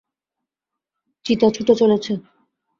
চিতা ছুটে চলেছে!